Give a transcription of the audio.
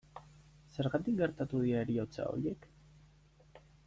Zergatik gertatu dira heriotza horiek?